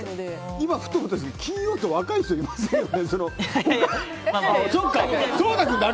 今、ふと思ったんですけど金曜って若い人いませんよね。